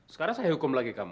sekarang saya hukum lagi kamu